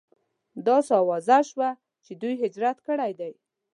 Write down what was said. داسې اوازه شوه چې دوی هجرت کړی دی.